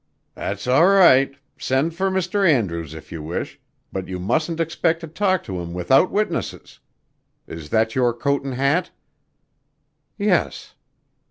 "That's all right. Send for Mr. Andrews if you wish, but you mustn't expect to talk to him without witnesses. Is that your coat and hat?" "Yes."